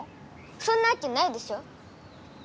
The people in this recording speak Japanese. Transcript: そんなわけないでしょ！